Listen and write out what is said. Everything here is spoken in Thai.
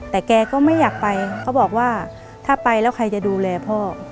แต่แกก็ไม่อยากไปเขาบอกว่าถ้าไปแล้วใครจะดูแลพ่อ